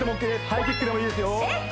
ハイキックでもいいですよえっ